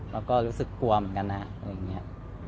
แล้วก็รู้สึกกลัวเหมือนกันนะอะไรอย่างนี้